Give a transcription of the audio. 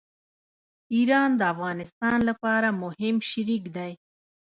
ایران د افغانستان لپاره مهم شریک دی.